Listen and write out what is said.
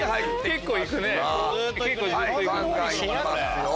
結構行くね。